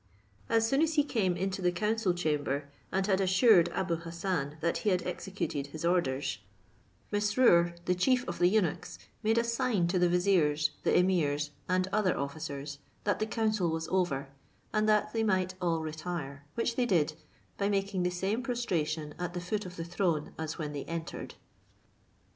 As soon as he came into the council chamber, and had assured Abou Hassan that he had executed his orders, Mesrour, the chief of the eunuchs, made a sign to the viziers, the emirs, and other officers, that the council was over, and that they might all retire; which they did, by making the same prostration at the foot of the throne as when they entered.